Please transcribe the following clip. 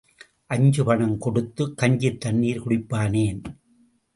அஞ்சு பணம் கொடுத்துக் கஞ்சித் தண்ணீர் குடிப்பானேன்?